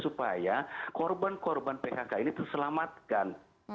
supaya korban korban phk ini terselamatkan